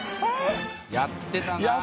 やってたなあ。